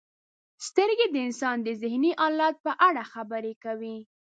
• سترګې د انسان د ذهني حالت په اړه خبرې کوي.